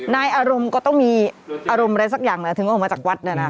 นายอารมณ์ก็ต้องมีอารมณ์อะไรสักอย่างแหละถึงออกมาจากวัดเนี่ยนะ